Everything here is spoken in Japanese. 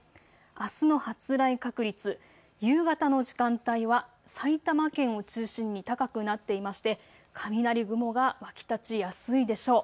あすの発雷確率、夕方の時間帯は埼玉県を中心に高くなっていまして雷雲が湧き立ちやすいでしょう。